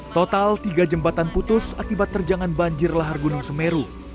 total tiga jembatan putus akibat terjangan banjir lahar gunung semeru